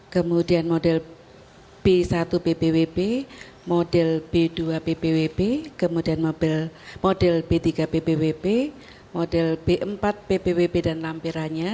kemudian model b satu ppwp model b dua ppwp kemudian model b tiga pbwp model b empat pbwp dan lampirannya